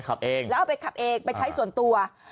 แล้วเอาไปขับเองไปใช้ส่วนตัว